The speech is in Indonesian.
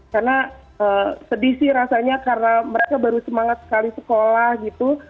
karena sedih sih rasanya karena mereka baru semangat sekali sekolah gitu